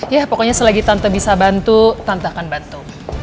ya pokoknya selagi tante bisa bantu tanpa akan bantu